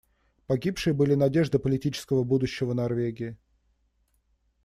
Погибшие были надеждой политического будущего Норвегии.